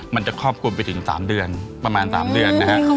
มันจะครอบคลุมไปถึง๓เดือนประมาณ๓เดือนนะฮะ